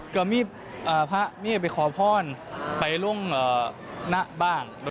ก็มีพระพะไปขอพรไปลงน่ะบ้าง